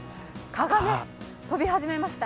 蚊が飛び始めました。